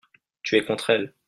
Tu es contre elles.